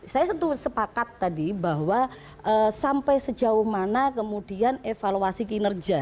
saya sepakat tadi bahwa sampai sejauh mana kemudian evaluasi kinerja